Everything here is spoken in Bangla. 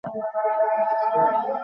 না, কেউ দেখে ফেলবে।